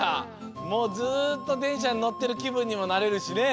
もうずっとでんしゃにのってるきぶんにもなれるしね。